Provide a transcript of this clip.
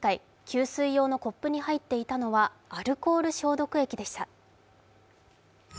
給水用のコップに入っていたのはアルコール消毒液でした。